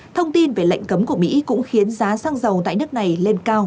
thông tin về lệnh cấm của mỹ cũng khiến giá xăng dầu tại nước này lên cao